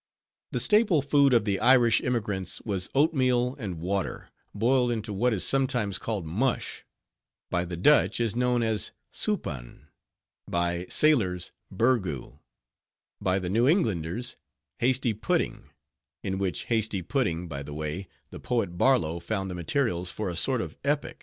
The staple food of the Irish emigrants was oatmeal and water, boiled into what is sometimes called mush; by the Dutch is known as supaan; by sailors burgoo; by the New Englanders hasty pudding; in which hasty pudding, by the way, the poet Barlow found the materials for a sort of epic.